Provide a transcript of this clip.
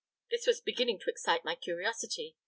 This was beginning to excite my curiosity.